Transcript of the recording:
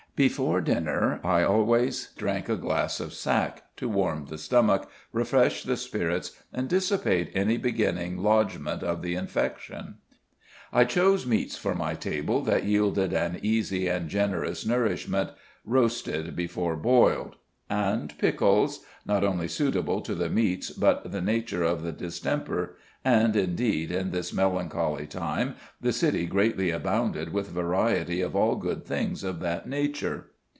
Before dinner I always drank a glass of sack, to warm the stomach, refresh the spirits, and dissipate any beginning lodgement of the infection. I chose meats for my table that yielded an easy and generous nourishment, roasted before boiled, and pickles, not only suitable to the meats but the nature of the distemper (and, indeed, in this melancholy time, the city greatly abounded with variety of all good things of that nature).